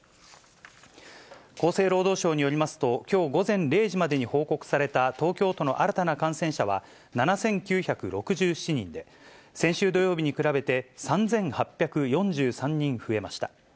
厚生労働省によりますと、きょう午前０時までに報告された東京都の新たな感染者は７９６７人で、先週土曜日に比べて３８４３人増えました。